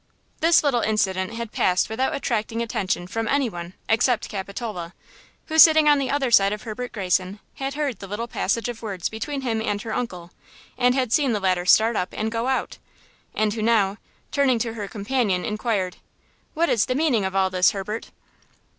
This little incident had passed without attracting attention from any one except Capitola, who, sitting on the other side of Herbert Greyson, had heard the little passage of words between him and her uncle, and had seen the latter start up and go out, and who now, turning to her companion, inquired: "What is the meaning of all this, Herbert?"